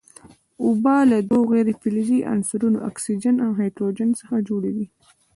اوبه له دوو غیر فلزي عنصرونو اکسیجن او هایدروجن څخه جوړې دي.